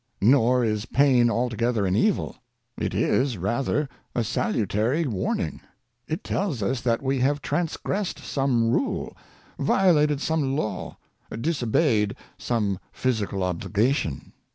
Nor is pain altogether an evil; it is rather a salutary warning. It tells us that we have transgressed some rule, violated some law, disobeyed some physical obligation.